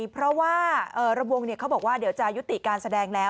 เพราะว่าระวงเขาบอกว่าเดี๋ยวจะยุติการแสดงแล้ว